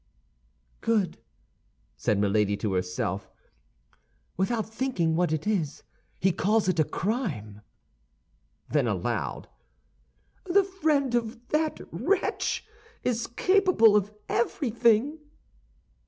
"Good," said Milady to herself; "without thinking what it is, he calls it a crime!" Then aloud, "The friend of that wretch is capable of everything."